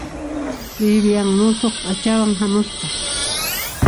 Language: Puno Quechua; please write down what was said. Vivian musuq p'achayuqmi hamusqa.